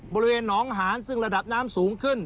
บริเวณหนองหานซึ่งระดับน้ำสูงขึ้น